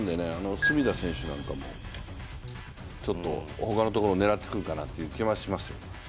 隅田選手なんかもちょっと他のところ狙ってくるかなという気がしますよ。